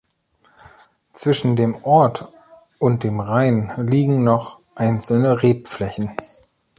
Zwischen dem Ort und dem Rhein liegen noch einzelne Rebflächen.